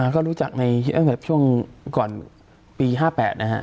ก็รู้จักในเชิงก่อนปี๕๘นะครับ